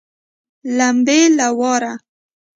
لمبې له واره